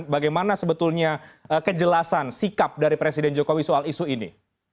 bagaimana sebetulnya kejelasan sikap dari presiden jokowi soal isu ini